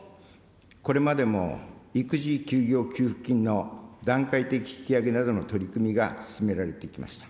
これまでも育児休業給付金の段階的引き上げなどの取り組みが進められてきました。